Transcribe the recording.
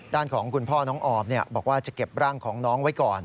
ด้านของคุณพ่อน้องออมบอกว่าจะเก็บร่างของน้องไว้ก่อน